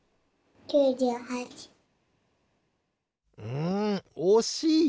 うんおしい！